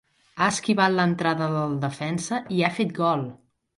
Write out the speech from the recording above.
Ha esquivat l'entrada del defensa i ha fet gol.